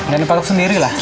dan dipatok sendiri lah